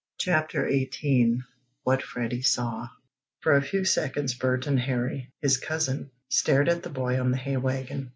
CHAPTER XVIII WHAT FREDDIE SAW For a few seconds Bert and Harry, his cousin, stared at the boy on the hay wagon.